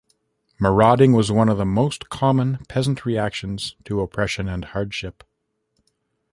Marauding was one of the most common peasant reactions to oppression and hardship.